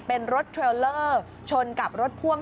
เป็นรถเทรลเลอร์ชนกับรถพ่วง